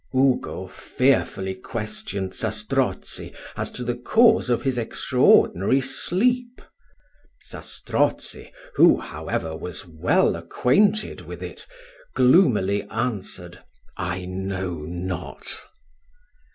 Ugo fearfully questioned Zastrozzi as to the cause of his extraordinary sleep. Zastrozzi, who, however, was well acquainted with it, gloomily answered, "I know not."